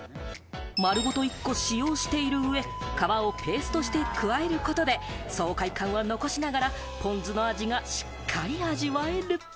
丸ごと１個使用している上、皮をペーストして加えることで、爽快感は残しながらポン酢の味がしっかり味わえる。